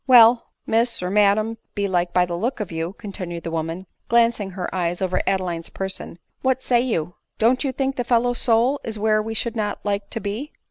" Well, miss, or madam, belike, by the look of you," continued the woman, gjancing her eye over Adeline's person, " what say you ? v IJon't you think the fellow f s soul is where we should not like to be